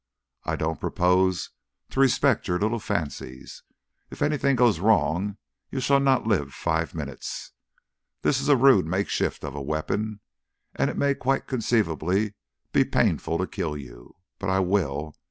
I don't propose to respect your little fancies. If anything goes wrong you shall not live five minutes. This is a rude makeshift of a weapon, and it may quite conceivably be painful to kill you. But I will.